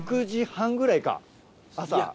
６時半ぐらいか朝。